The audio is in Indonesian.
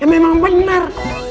ya memang benar